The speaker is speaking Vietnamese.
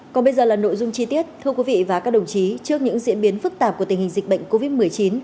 còn bây giờ là nội dung chi tiết thưa quý vị và các đồng chí trước những diễn biến phức tạp của tình hình dịch bệnh covid một mươi chín